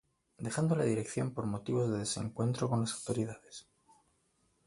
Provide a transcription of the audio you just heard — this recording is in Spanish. Dejando la dirección por motivos de desencuentro con las autoridades.